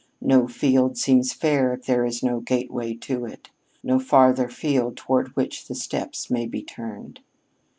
No field seems fair if there is no gateway to it no farther field toward which the steps may be turned.